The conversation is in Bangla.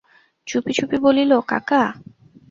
চুপি চুপি বলিল, কাকা।